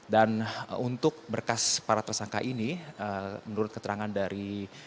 dan untuk berkas para tersangka ini menurut keterangan dari